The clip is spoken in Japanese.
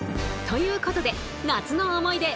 ということで夏の思い出！